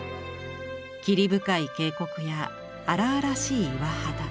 霧深い渓谷や荒々しい岩肌。